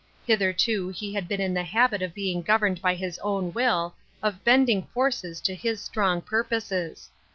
Hitherto he had been in the habit of being governed by his own will, of bending forces to his strong purposes.